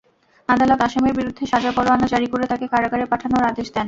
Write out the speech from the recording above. আদালত আসামির বিরুদ্ধে সাজা পরোয়ানা জারি করে তাঁকে কারাগারে পাঠানোর আদেশ দেন।